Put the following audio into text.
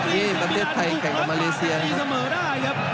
นี่ประเทศไทยแข่งกับมาเลเซียนะครับ